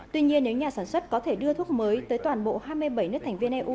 tuy nhiên nếu nhà sản xuất có thể đưa thuốc mới tới toàn bộ hai mươi bảy nước thành viên eu